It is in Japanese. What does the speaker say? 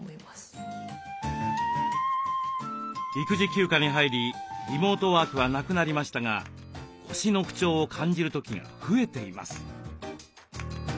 育児休暇に入りリモートワークはなくなりましたが腰の不調を感じる時が増えています。